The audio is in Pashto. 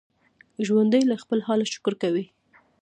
ژوندي له خپل حاله شکر کوي